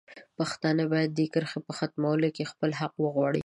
پښتانه باید د دې کرښې په ختمولو کې خپل حق وغواړي.